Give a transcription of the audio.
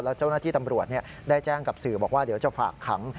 แล้วเจ้าหน้าที่ตำรวจได้แจ้งกับสื่อบอกว่าเดี๋ยวจะฝากขัง